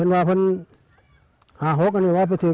มันไม่มี